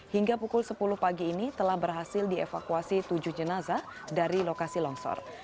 hingga pukul sepuluh pagi ini telah berhasil dievakuasi tujuh jenazah dari lokasi longsor